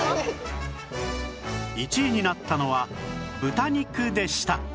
１位になったのは豚肉でした